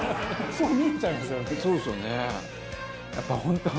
「そうですよね」